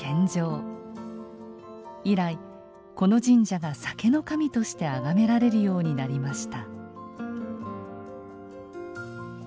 以来この神社が酒の神としてあがめられるようになりました。